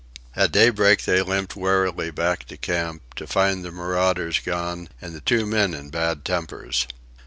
At daybreak they limped warily back to camp, to find the marauders gone and the two men in bad tempers.